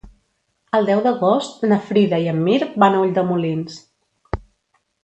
El deu d'agost na Frida i en Mirt van a Ulldemolins.